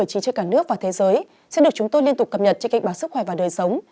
trên cả nước và thế giới xin được chúng tôi liên tục cập nhật trên kịch báo sức khỏe và đời sống